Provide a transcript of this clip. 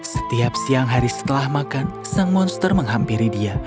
setiap siang hari setelah makan sang monster menghampiri dia